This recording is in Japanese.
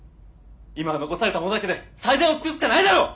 今残された者だけで最善を尽くすしかないだろう！